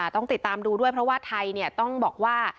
ต้องติดตามดูด้วยเพราะว่าไทยต้องบอกว่า